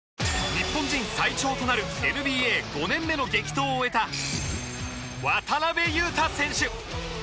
日本人最長となるＮＢＡ５年目の激闘を終えた渡邊雄太選手。